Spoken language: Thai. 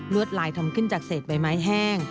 วดลายทำขึ้นจากเศษใบไม้แห้ง